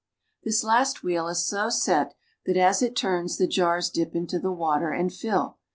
This last wheel is so set that, as it turns, the jars dip into the water and fill.